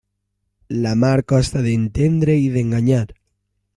La mar costa d'entendre i d'enganyar.